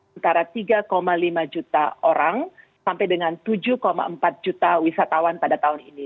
setara tiga lima juta orang sampai dengan tujuh empat juta wisatawan pada tahun ini